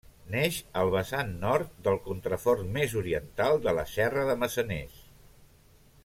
Neix al vessant nord del contrafort més oriental de la Serra de Maçaners.